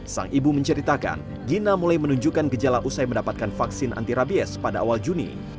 sang ibu menceritakan gina mulai menunjukkan gejala usai mendapatkan vaksin anti rabies pada awal juni